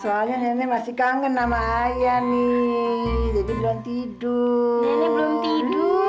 soalnya nenek masih kangen sama ayah nih jadi belum tidur ini belum tidur